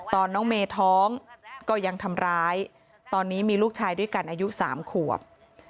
น้องเมย์ท้องก็ยังทำร้ายตอนนี้มีลูกชายด้วยกันอายุ๓ขวบ